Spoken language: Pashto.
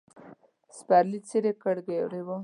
سپرلي څیرې کړ ګرېوان